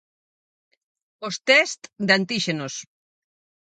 Os tests de antíxenos.